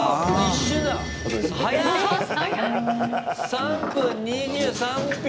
３分２３秒。